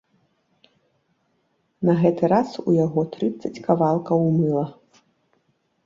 На гэты раз у яго трыццаць кавалкаў мыла.